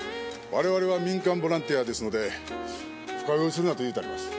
我々は民間ボランティアですので深追いするなと言うてあります。